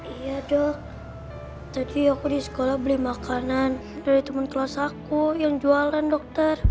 iya dok tadi aku di sekolah beli makanan dari teman kelas aku yang jualan dokter